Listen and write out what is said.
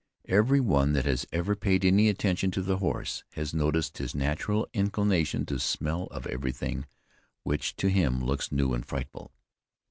Every one that has ever paid any attention to the horse, has noticed his natural inclination to smell of everything which to him looks new and frightful.